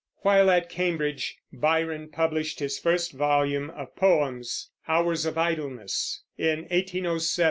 While at Cambridge, Byron published his first volume of poems, Hours of Idleness, in 1807.